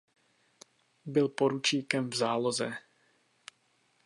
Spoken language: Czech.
Byl poručíkem v záloze.